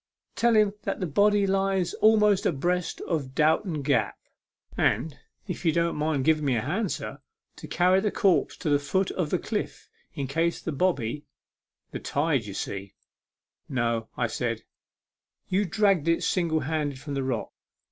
Tell him that the body lies almost abreast of Dowton G ap ; and, if you don't mind giving me a hand, sir, to carry the corpse to the foot of the cliff, in case the bobby the tide ye see "" No," said I ;" you dragged it single handed from the rock.